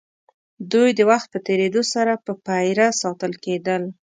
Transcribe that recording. دوی د وخت په تېرېدو سره په پېره ساتل کېدل.